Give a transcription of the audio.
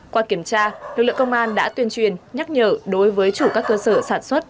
qua kiểm tra lực lượng công an đã tuyên truyền nhắc nhở đối với chủ các cơ sở sản xuất